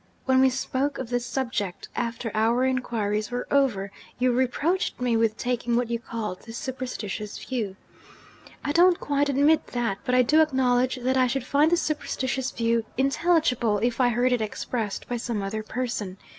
'When we spoke of this subject, after our inquiries were over, you reproached me with taking what you called the superstitious view. I don't quite admit that but I do acknowledge that I should find the superstitious view intelligible if I heard it expressed by some other person.